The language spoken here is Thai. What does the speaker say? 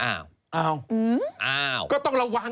อ้าว